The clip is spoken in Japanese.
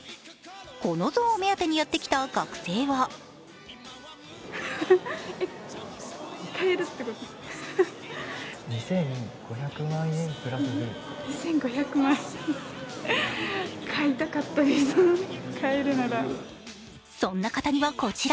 この像を目当てにやってきた学生はそんな方にはこちら。